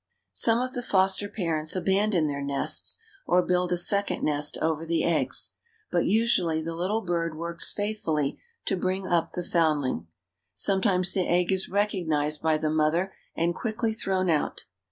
'" Some of the foster parents abandon their nests, or build a second nest over the eggs, but usually the little bird works faithfully to bring up the foundling. Sometimes the egg is recognized by the mother and quickly thrown out.